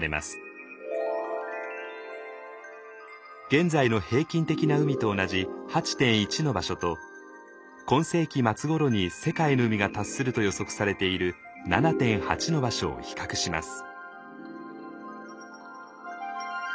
現在の平均的な海と同じ８．１の場所と今世紀末ごろに世界の海が達すると予測されている７．８の場所を比較します。